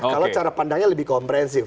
kalau cara pandangnya lebih komprehensif